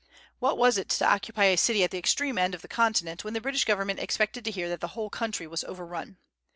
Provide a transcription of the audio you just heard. What was it to occupy a city at the extreme end of the continent, when the British government expected to hear that the whole country was overrun?